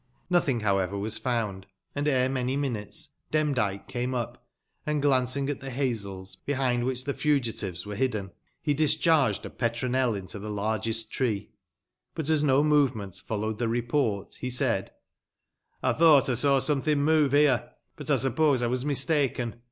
Notbing, bowever, was found, and ere many minutes Demdike came up, and glanc ing at tbe bazels, bebind wbicb tbe fugitives were bidden, be discbai*ged a petronel into tbe largest tree, but as no movement followed tbe report, be said :" I tbougbt I saw sometbing move bere, but I suppose I was mistaken.